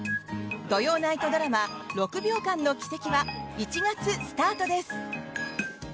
土曜ナイトドラマ「６秒間の軌跡」は１月スタートです。